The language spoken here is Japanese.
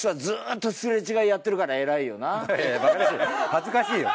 恥ずかしいよ。